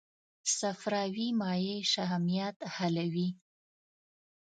صفراوي مایع شحمیات حلوي.